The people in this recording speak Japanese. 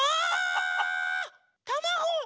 たまご！